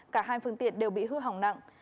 cả hai phương tiện đều bị hư hỏng nặng